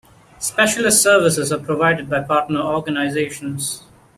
Specialist services are provided by partner organisations.